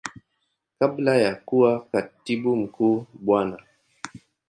Kabla ya kuwa Katibu Mkuu Bwana.